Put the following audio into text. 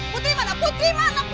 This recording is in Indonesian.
putri mana putri